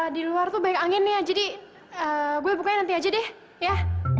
di luar tuh banyak angin nih ya jadi gue bukanya nanti aja deh ya